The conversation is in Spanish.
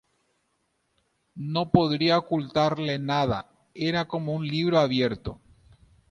No podía ocultarle nada, era como un libro abierto